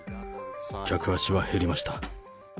客足は減りました。